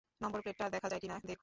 নম্বর প্লেটটা দেখা যায় কিনা দেখুন।